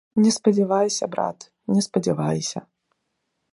Не спадзявайся, брат, не спадзявайся.